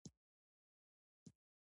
د سالمې کورنۍ د مور په لارښوونه ښه پرمخ ځي.